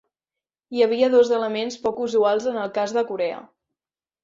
Hi havia dos elements poc usuals en el cas de Corea.